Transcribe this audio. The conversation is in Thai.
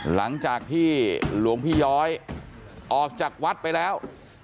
หลังจากที่หลวงพี่ย้อยออกจากวัดไปแล้ว